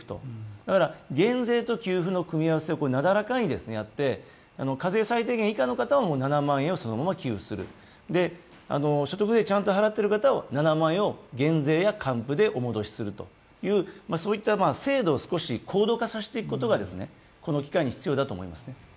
だから減税と給付の組み合わせをなだらかにやって課税最低限以下の方は７万円をそのまま給付する、所得税ちゃんと払っている方は７万円を減税や還付でお戻しするという制度を少し高度化させていくことがこの機会に必要だと思います。